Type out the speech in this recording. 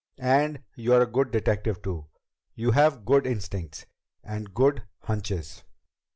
"And you're a good detective too. You have good instincts. And good hunches."